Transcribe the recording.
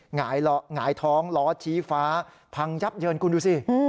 หงายท้องล้อชี้ฟ้าพังยับเยินคุณดูสิ